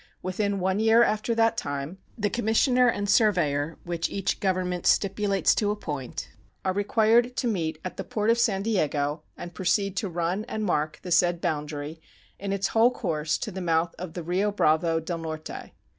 Within one year after that time the commissioner and surveyor which each Government stipulates to appoint are required to meet "at the port of San Diego and proceed to run and mark the said boundary in its whole course to the mouth of the Rio Bravo del Norte."